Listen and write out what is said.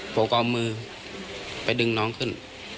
ผมก็เอามือไปดึงน้องขึ้น